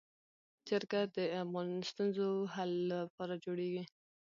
جرګه د ستونزو حل لپاره جوړیږي